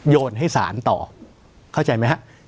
โยนให้ศาลต่อเข้าใจไหมฮะ